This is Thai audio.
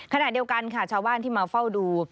ขณะเดียวกันค่ะชาวบ้านที่มาเฝ้าดู